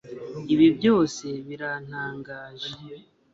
Ibi byose birantangaje